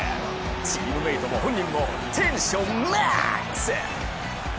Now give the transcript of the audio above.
チームメートも本人もテンションマックス！